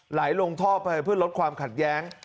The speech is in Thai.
ไหลลงท่อไปเพื่อลดความขัดแย้ง